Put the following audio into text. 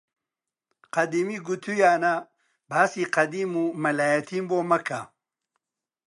قەدیمی گوتوویانە باسی قەدیم و مەلایەتیم بۆ مەکە!